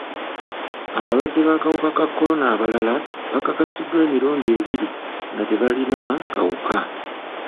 Abalwadde b'akawuka ka kolona abalala bakakasiddwa emirundi ebiri nga tebalina kawuka.